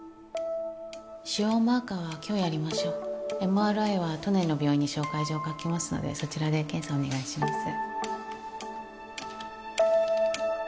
腫瘍マーカーは今日やりましょうＭＲＩは都内の病院に紹介状書きますのでそちらで検査お願いします